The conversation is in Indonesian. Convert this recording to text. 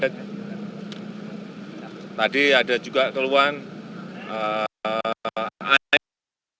dan tadi ada juga keluhan air